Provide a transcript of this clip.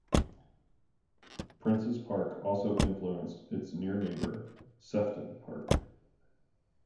Prince's Park also influenced its near neighbour, Sefton Park.